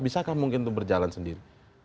bisakah mungkin itu berjalan sendiri